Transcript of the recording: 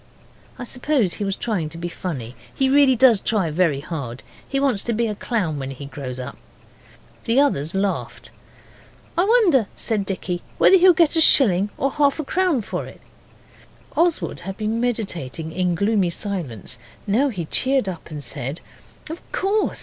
I suppose he was trying to be funny he really does try very hard. He wants to be a clown when he grows up. The others laughed. 'I wonder,' said Dicky, 'whether he'll get a shilling or half a crown for it.' Oswald had been meditating in gloomy silence, now he cheered up and said 'Of course!